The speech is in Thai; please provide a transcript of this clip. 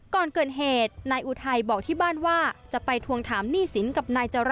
ก่อนเกิดเหตุนายอุทัยบอกที่บ้านว่าจะไปทวงถามหนี้สินกับนายจรร